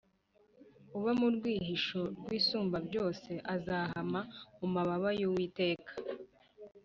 uba mu rwihisho rwisumba byoswe azahama mumababa yuwiteka